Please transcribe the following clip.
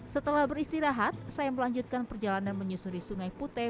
setelah beristirahat saya melanjutkan perjalanan menyusuri sungai putih